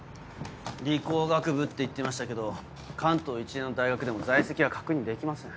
理工学部って言ってましたけど関東一円の大学でも在籍は確認できません。